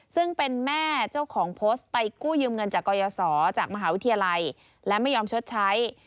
ซึ่งเป็นแม่เจ้าของโพสต์ไปกู้ยืมเงินจากกรยศจากมหาวิทยาลัยและไม่ยอมชดใช้